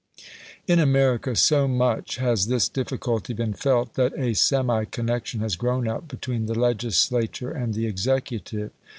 In America so much has this difficulty been felt that a semi connection has grown up between the legislature and the executive.